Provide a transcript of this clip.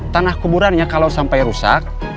tanah kuburannya kalau sampai rusak